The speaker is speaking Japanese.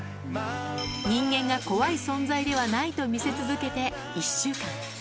人間が怖い存在ではないと見せ続けて１週間。